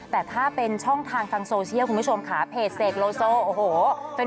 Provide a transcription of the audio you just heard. แต่ถ้าเป็นช่องทางทางโซเชียลคุณผู้ชมค่ะเพจเสกโลโซโอ้โห